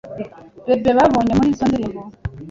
bebe bebonye muri izo ndirimbo,